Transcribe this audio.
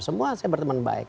semua saya berteman baik